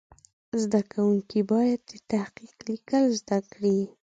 زده کوونکي باید دقیق لیکل زده کړي.